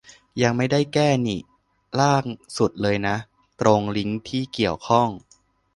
ยังไม่ได้แก้นิ ล่างสุดเลยนะ ตรง ลิงก์ที่เกี่ยวข้อง